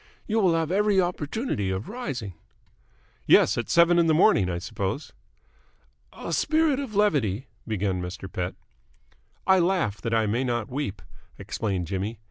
"You will have every opportunity of rising." "Yes. At seven in the morning, I suppose?" "A spirit of levity " began Mr. Pett. "I laugh that I may not weep," explained Jimmy.